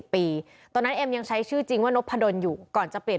ตอนนั้นเอ็มยังใช้ชื่อจริงว่านพดลอยู่ก่อนจะเปลี่ยน